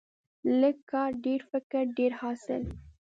لږ کار، ډیر فکر، ډیر حاصل.